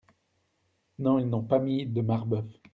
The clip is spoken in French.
Non ; ils n’ont pas mis : "de Marbeuf" ?